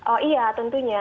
oh iya tentunya